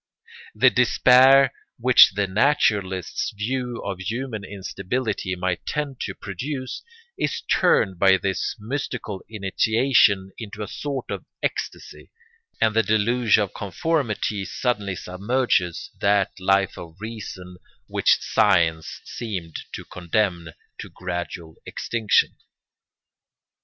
The despair which the naturalist's view of human instability might tend to produce is turned by this mystical initiation into a sort of ecstasy; and the deluge of conformity suddenly submerges that Life of Reason which science seemed to condemn to gradual extinction.